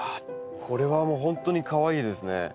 これはもう本当にかわいいですね。